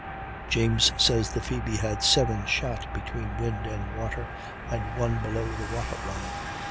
James says the Phoebe had 7 shot between wind and water, and one below the water line.